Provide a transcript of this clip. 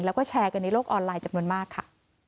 แล้วก็แชร์กันในโลกออนไลน์จำนวนมากค่ะ